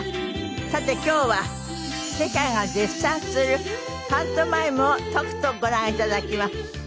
さて今日は世界が絶賛するパントマイムをとくとご覧いただきます。